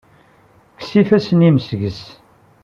Kkes ifassen-nnem seg-s.